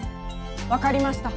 分かりました。